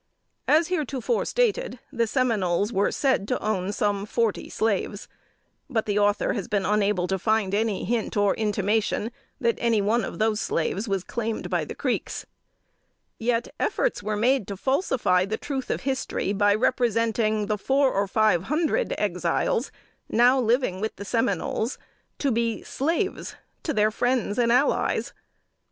As heretofore stated, the Seminoles were said to own some forty slaves; but the Author has been unable to find any hint or intimation that any one of those slaves was claimed by the Creeks: yet efforts were made to falsify the truth of history by representing the four or five hundred Exiles now living with the Seminoles to be slaves to their friends and "allies."